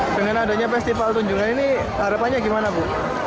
dengan adanya festival tunjungan ini harapannya gimana bu